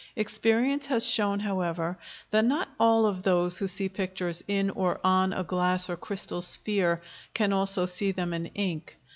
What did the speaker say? Experience has shown, however, that not all of those who see pictures in, or on, a glass or crystal sphere, can also see them in ink.